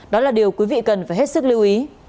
đó là điều quý vị cần phải hết sức lưu ý